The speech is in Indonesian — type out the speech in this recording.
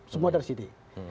semua dari sini